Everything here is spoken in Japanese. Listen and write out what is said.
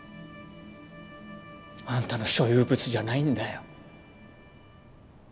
あんたの所有物じゃないんだよ。